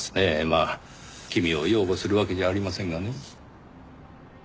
まあ君を擁護するわけじゃありませんがね。